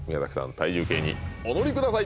体重計にお乗りください